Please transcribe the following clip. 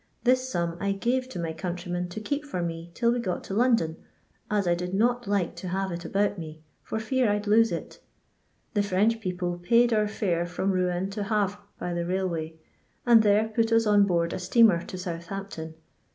This sum I gave to my countryman to keep for me till we got to London, as I did not like to have it about me, for fear I 'd lose it The French people paid our fiire from Rouen to Havre by the railway, and there put us on board a steamer to Southampton.